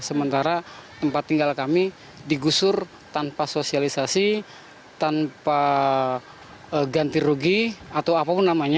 sementara tempat tinggal kami digusur tanpa sosialisasi tanpa ganti rugi atau apapun namanya